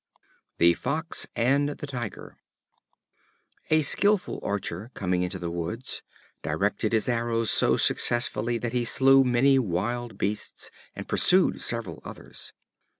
The Fox and the Tiger. A skillful archer, coming into the woods, directed his arrows so successfully that he slew many wild beasts, and pursued several others.